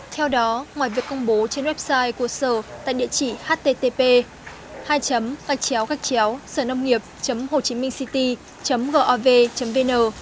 theo đó ngoài việc công bố trên website của sở tại địa chỉ http sởnôngnghiệp hcc gov vn